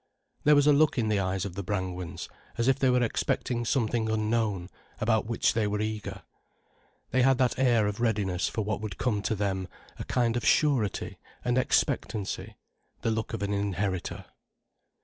There was a look in the eyes of the Brangwens as if they were expecting something unknown, about which they were eager. They had that air of readiness for what would come to them, a kind of surety, an expectancy, the look of an inheritor.